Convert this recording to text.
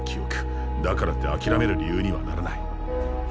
だからってあきらめる理由にはならない。